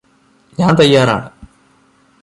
ഞാന് തയ്യാറാണ്